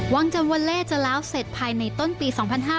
วังจำวันเล่จะเล้าเสร็จภายในต้นปี๒๕๖๔